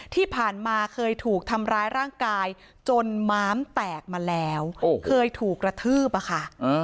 ที่ผ่านมาเคยถูกทำร้ายร่างกายจนม้ามแตกมาแล้วเคยถูกกระทืบอะค่ะ